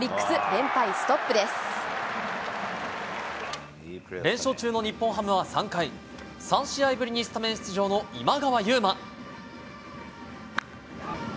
連勝中の日本ハムは３回、３試合ぶりにスタメン出場の今川優馬。